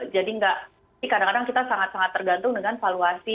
jadi kadang kadang kita sangat sangat tergantung dengan valuasi